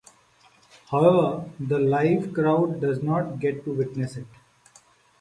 However, the live crowd does not get to witness it.